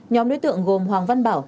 nhóm đối tượng gồm hoàng văn bảo